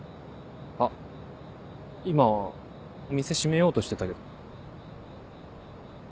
あっ今店閉めようとしてたけど。